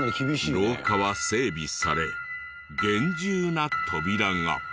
廊下は整備され厳重な扉が。